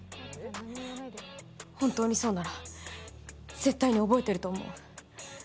本当にそうなら絶対に覚えてると思う。